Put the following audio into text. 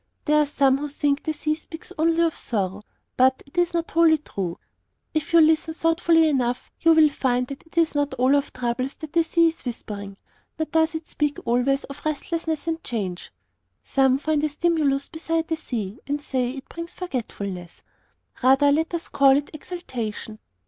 There are some who think the sea speaks only of sorrow, but this is not wholly true. If you will listen thoughtfully enough, you will find that it is not all of troubles that the sea is whispering. Nor does it speak always of restlessness and change. Some find a stimulus beside the sea, and say it brings forgetfulness. Rather let us call it exaltation.